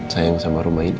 sayang sama rumah ini